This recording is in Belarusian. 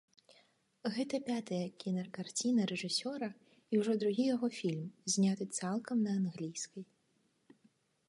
Гэта пятая кінакарціна рэжысёра і ўжо другі яго фільм, зняты цалкам на англійскай.